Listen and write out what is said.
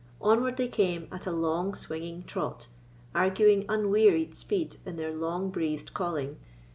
Onward they came at a long swinging trot, arguing unwearied speed in their long breathed calling.